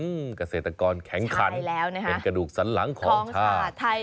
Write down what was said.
ก็คือกเกษตรกรแข็งขันเป็นกระดูกสันหลังของชาติ